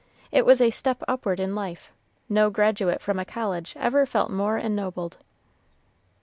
It was a step upward in life; no graduate from a college ever felt more ennobled.